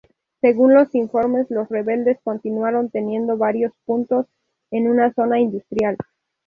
Según los informes, los rebeldes continuaron teniendo varios puntos en una zona industrial.